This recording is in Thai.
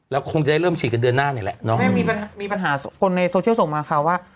คงจะได้เริ่มฉีดกันเดือนหน้านี่แหละเนาะไม่มีปัญหาคนในโซเชียลส่งมาค่ะว่า